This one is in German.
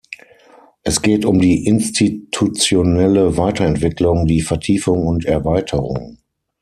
Es geht um die institutionelle Weiterentwicklung, die Vertiefung und Erweiterung.